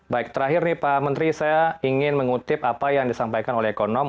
baik terakhir nih pak menteri saya ingin mengutip apa yang disampaikan oleh ekonom